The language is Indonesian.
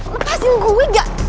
lepasin gue gak